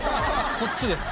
こっちです。